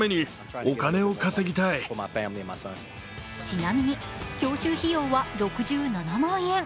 ちなみに教習費用は６７万円。